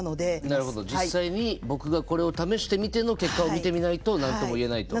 なるほど実際に僕がこれを試してみての結果を見てみないと何とも言えないと。